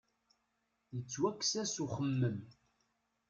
Yettwakkes-as uxemmem.